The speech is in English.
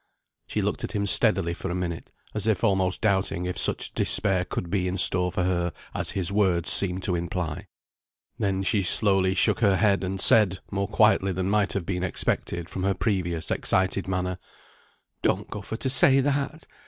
She looked at him steadily for a minute, as if almost doubting if such despair could be in store for her as his words seemed to imply. Then she slowly shook her head, and said, more quietly than might have been expected from her previous excited manner, "Don't go for to say that!